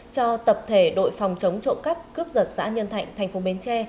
cho tập thể đội phòng chống trộm cắp cướp giật xã nhân thạnh thành phố bến tre